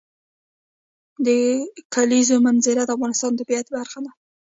د کلیزو منظره د افغانستان د طبیعت برخه ده.